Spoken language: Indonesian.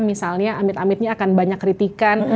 misalnya amit amitnya akan banyak kritikan